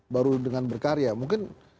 baru dengan berkarya mungkin